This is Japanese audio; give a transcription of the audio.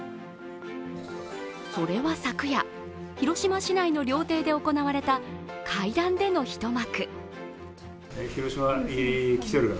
それは昨夜、広島市内の料亭で行われた会談での一幕。